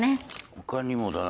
他にもだな